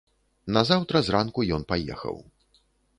Назаўтра зранку ён паехаў.